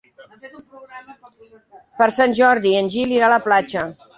Per Sant Jordi en Gil irà a la platja.